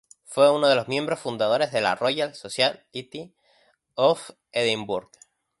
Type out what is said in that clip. Fue uno de los miembros fundadores de la "Royal Society of Edinburgh".